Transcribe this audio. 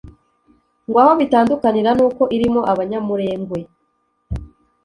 ngo aho bitandukanira ni uko irimo abanyamurengwe